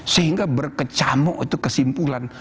sehingga berkecamuk itu kesimpulan